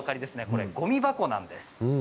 これ、ごみ箱なんです。